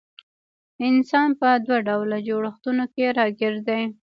انسان په دوه ډوله جوړښتونو کي راګېر دی